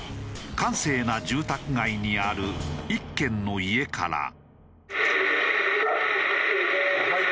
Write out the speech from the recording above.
閑静な住宅街にある１軒の家から。